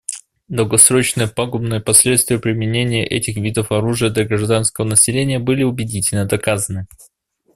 Долгосрочные пагубные последствия применения этих видов оружия для гражданского населения были убедительно доказаны.